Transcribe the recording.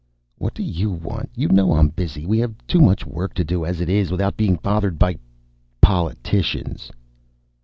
"What do you want? You know I'm busy. We have too much work to do, as it is. Without being bothered by politicians."